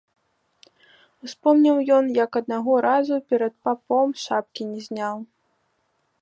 Успомніў ён, як аднаго разу перад папом шапкі не зняў.